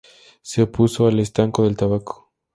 Se opuso al estanco del tabaco.